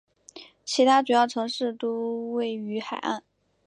其他主要城市都位于海岸。